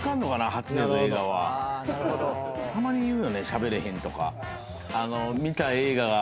たまに言うよね「しゃべれへん」とか。